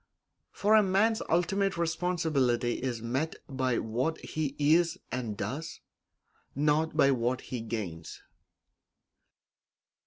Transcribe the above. For a man's ultimate responsibility is met by what he is and does, not by what he gains.